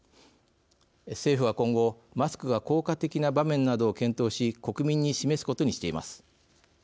政府は今後、マスクが効果的な場面などを検討し国民に示すことにしています。